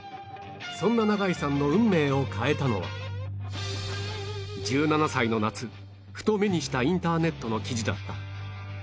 そんな永井さんの運命を変えたのは１７歳の夏ふと目にしたインターネットの記事だった